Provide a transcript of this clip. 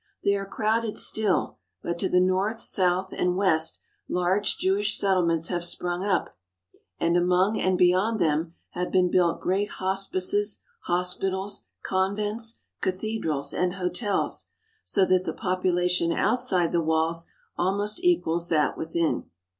They are crowded still, but to the north, south, and west large Jewish settlements have sprung up, and among and beyond them have been built great hospices, hospitals, convents, cathedrals, and hotels, so that the population outside the walls almost equals that within.